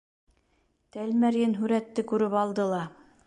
Тәлмәрйен һүрәтте күреп алды ла: